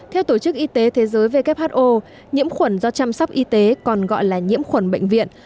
theo tổ chức y tế thế giới who nhiễm khuẩn do chăm sóc y tế còn gọi là nhiễm khuẩn bệnh viện